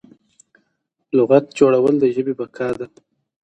لغت جوړول د ژبې بقا ده.